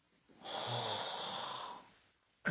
はあ。